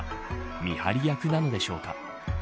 見張り役なのでしょうか。